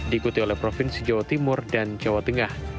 diikuti oleh provinsi jawa timur dan jawa tengah